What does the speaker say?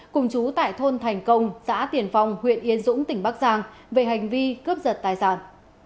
cùng chú tại thôn thành công xã tiền phong huyện yên dũng tỉnh bắc giang về hành vi cướp giật tài sản